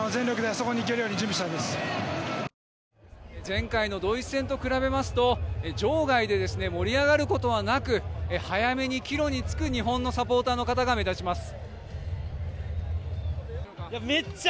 前回のドイツ戦と比べますと場外で盛り上がることはなく早めに帰路に就く日本のサポーターの方が目立ちます。